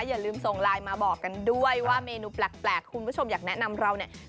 อย่าลืมส่งไลน์มาบอกกันด้วยว่าเมนูแปลกคุณผู้ชมอยากแนะนำเราเนี่ย